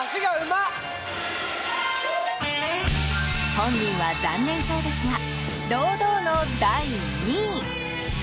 本人は残念そうですが堂々の第２位。